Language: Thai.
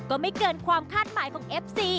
ก็ไม่เกินความคาดหมายของเอฟซี